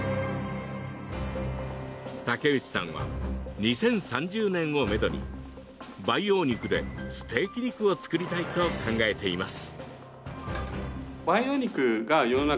竹内さんは、２０３０年をめどに培養肉でステーキ肉を作りたいと考えています。